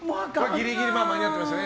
ギリギリ間に合ってました